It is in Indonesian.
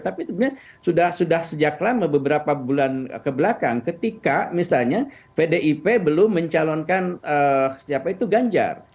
tapi sebenarnya sudah sejak lama beberapa bulan kebelakang ketika misalnya pdip belum mencalonkan siapa itu ganjar